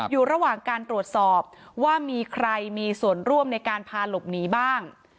อยู่ระหว่างการตรวจสอบว่ามีใครมีส่วนร่วมในการพาหลบหนีบ้าง